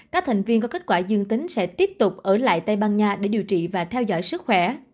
các thành viên có kết quả dương tính sẽ tiếp tục ở lại tây ban nha để điều trị và theo dõi sức khỏe